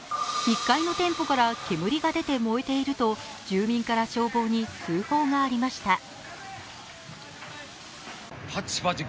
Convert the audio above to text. １階の店舗から煙が出て燃えていると、住民から消防に通報がありました。